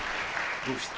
どうして？